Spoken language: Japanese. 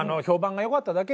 「評判がよかった。